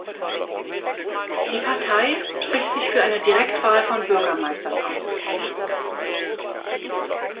Die Partei spricht sich für eine Direktwahl von Bürgermeistern aus.